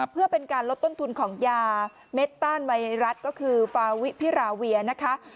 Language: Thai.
เพื่อเป็นการลดต้นทุนของยาเม็ดต้านไวรัสก็คือฟาวิพิราเวียนะคะ